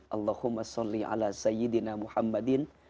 allahumma salli ala sayyidina muhammadin